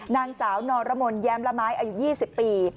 นางสาวนรมนแย้มละไม้อายุ๒๐ปี